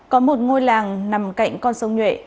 có một ngôi làng nằm cạnh con sông nhuệ